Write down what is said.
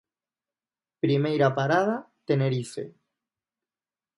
Primeira parada, Tenerife.